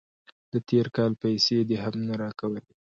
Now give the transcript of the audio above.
د تیر کال پیسې دې هم نه راکولې.